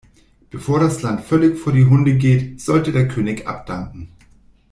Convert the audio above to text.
Bevor das Land völlig vor die Hunde geht, sollte der König abdanken.